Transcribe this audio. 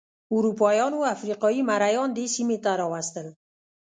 اروپایانو افریقايي مریان دې سیمې ته راوستل.